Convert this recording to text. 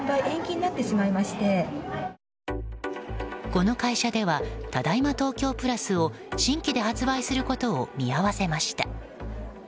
この会社ではただいま東京プラスを新規で発売することを見合わせました。